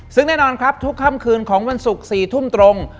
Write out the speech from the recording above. ซึ่งแน่นอนครับทุกค่ำคืนของวันศุกร์๔ทุ่มตรง